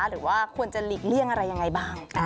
หรือว่าควรจะหลีกเลี่ยงอะไรยังไงบ้าง